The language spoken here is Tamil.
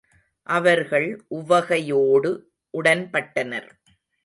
அவர்கள் உவகையோடு உடன்பட்டனர்.